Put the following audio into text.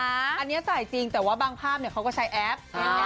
อันนี้ใส่จริงแต่ว่าบางภาพเขาก็ใช้แอป